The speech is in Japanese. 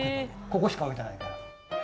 ここしか置いてないから。